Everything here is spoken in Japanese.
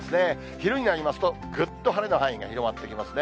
昼になりますと、ぐっと晴れの範囲が広がっていきますね。